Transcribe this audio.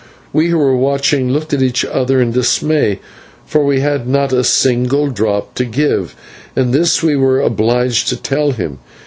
We, who were watching, looked at each other in dismay, for we had not a single drop to give, and this we were obliged to tell him.